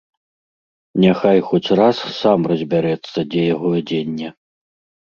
Няхай хоць раз сам разбярэцца, дзе яго адзенне.